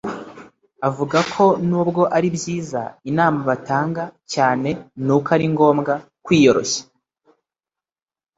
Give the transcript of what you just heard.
avuga ko n’ubwo ari byiza, inama batanga cyane ni uko ari ngombwa kwiyoroshya,